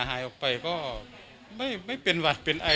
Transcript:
เราเป็นคนไทยคนแรกที่สิทธิ์หรือแบบภาคชาติเหมือนกัน